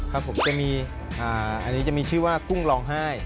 ครับผมจะมีอันนี้จะมีชื่อว่ากุ้งร้องไห้